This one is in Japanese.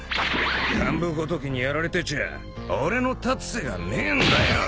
幹部ごときにやられてちゃ俺の立つ瀬がねえんだよ。